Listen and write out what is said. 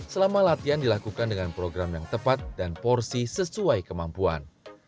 selama latihan dilakukan dengan program yang tepat dan porsi sesuai kemampuan